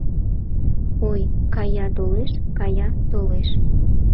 Ой, кая-толеш, кая-толеш